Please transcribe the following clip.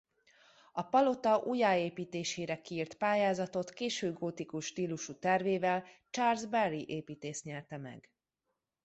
A palota újjáépítésére kiírt pályázatot késő gótikus stílusú tervével Charles Barry építész nyerte meg.